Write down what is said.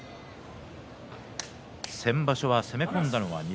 先場所は攻め込んだのが錦